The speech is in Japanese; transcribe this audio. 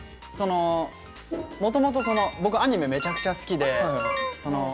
もともとアニメめちゃくちゃ好きで。